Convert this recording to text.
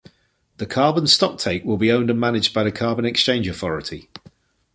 The carbon stock take will be owned and managed by the carbon exchange authority.